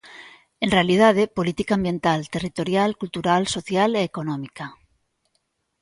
En realidade, política ambiental, territorial, cultural, social e económica.